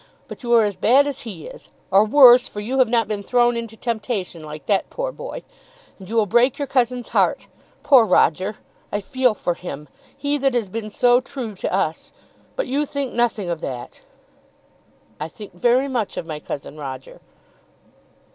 But you are as bad as he is; or worse, for you have not been thrown into temptation like that poor boy! And you will break your cousin's heart. Poor Roger! I feel for him; he that has been so true to us! But you think nothing of that." "I think very much of my cousin Roger."